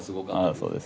そうです